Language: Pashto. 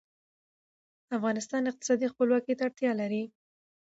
افغانستان اقتصادي خپلواکۍ ته اړتیا لري